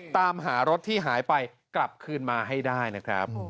ตามหารถที่หายไปกลับคืนมาให้ได้นะครับ